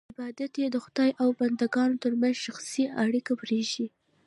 عبادت یې د خدای او بندګانو ترمنځ شخصي اړیکه پرېښی.